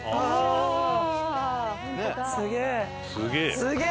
すげえ！